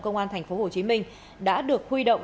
công an tp hcm đã được huy động